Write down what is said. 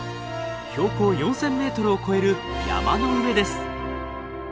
標高４，０００ｍを超える山の上です。